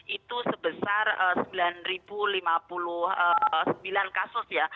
itu sebesar sembilan lima puluh sembilan kasus ya